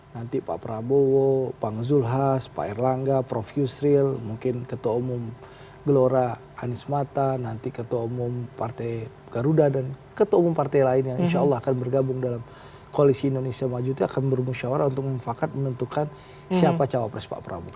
nanti pak prabowo pak zulhas pak erlangga prof yusril mungkin ketua umum gelora anies mata nanti ketua umum partai garuda dan ketua umum partai lain yang insya allah akan bergabung dalam koalisi indonesia maju itu akan bermusyawarah untuk mufakat menentukan siapa cawapres pak prabowo